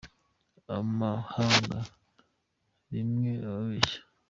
Amahanga rimwe ababeshya